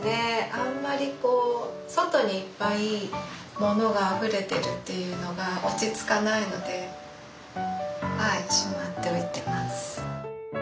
あんまりこう外にいっぱい物があふれてるっていうのが落ち着かないのではいしまって置いてます。